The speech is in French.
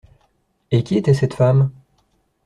Et qui était cette femme ?